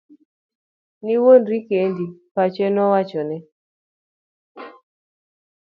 Niwuondri kendi, pache nowachone.